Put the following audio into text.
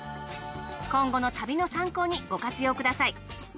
今後の旅の参考にご活用ください。